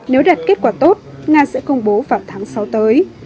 nếu đạt kết quả tốt nga sẽ công bố vào tháng sáu tới